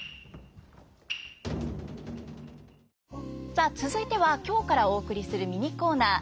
さあ続いては今日からお送りするミニコーナー